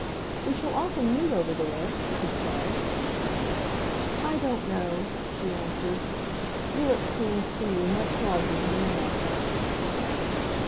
"We shall often meet over there," he said. "I don't know," she answered. "Europe seems to me much larger than America."